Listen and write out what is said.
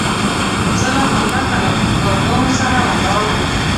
زه لا همدلته له ګاردانو سره ولاړ وم.